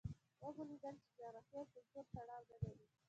ومو لیدل چې جغرافیې او کلتور تړاو نه لري.